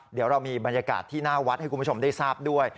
เดี๋ยวเรามีบรรยากาศที่หน้าวัดให้คุณผู้ชมได้ทราบด้วย